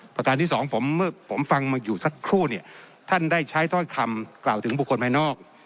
ประการที่สองผมฟังอยู่สักครู่ท่านได้ใช้ทอดคำกล่าวถึงบุคคลไปนอก